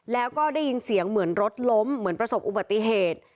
แล้วก็ได้ยินเสียงเหมือนรถล้มเหมือนประสบอุบัติเหตุ